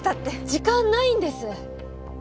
時間ないんです！